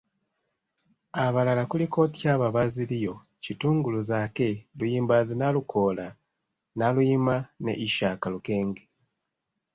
Abalala kuliko Tyaba Bazilio, Kitungulu Zaake, Luyimbazi Nalukoola, Naluyima ne Ishak Lukenge.